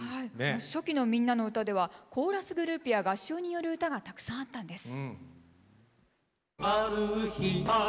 初期の「みんなのうた」ではコーラスグループや合唱による歌がたくさんあったんです。